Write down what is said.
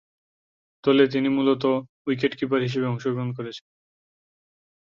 দলে তিনি মূলতঃ উইকেট-কিপার হিসেবে অংশগ্রহণ করছেন।